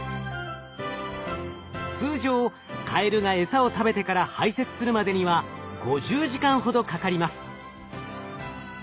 通常カエルが餌を食べてから排泄するまでには５０時間ほどかかります。